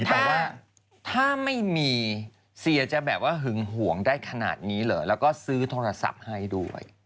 แต่ว่าถ้าไม่มีเสียจะแบบว่าหึงห่วงได้ขนาดนี้เหรอแล้วก็ซื้อโทรศัพท์ให้ด้วย